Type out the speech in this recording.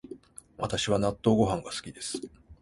私は納豆ご飯が好きです